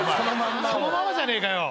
そのままじゃねぇかよ。